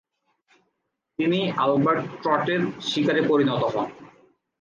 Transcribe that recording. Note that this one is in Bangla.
তিনি আলবার্ট ট্রটের শিকারে পরিণত হন।